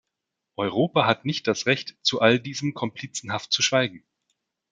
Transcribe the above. Europa hat nicht das Recht, zu all diesem komplizenhaft zu schweigen.